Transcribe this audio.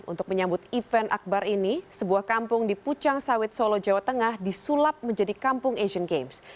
untuk menyambut event akbar ini sebuah kampung di pucang sawit solo jawa tengah disulap menjadi kampung asian games